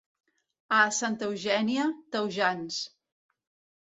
A Santa Eugènia, taujans.